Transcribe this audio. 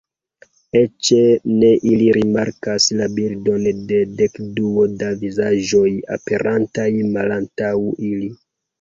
Eĉ ne ili rimarkas la bildon de dekduo da vizaĝoj aperantaj malantaŭ ili.